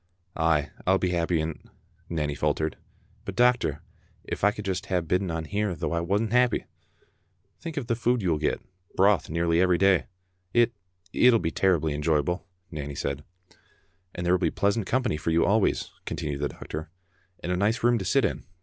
"Ay, I'll be happy in't," Nanny faltered, "but, doc tor, if I could just hae bidden on here though I wasna happy!" " Think of the food you will get ; broth nearly every day." " It — it'll be terrible enjoyable," Nanny said. " And there will be pleasant company for you always," continued the doctor, "and a nice room to sit in.